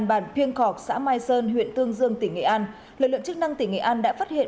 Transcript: địa bàn biên khọc xã mai sơn huyện tương dương tỉnh nghệ an lực lượng chức năng tỉnh nghệ an đã phát hiện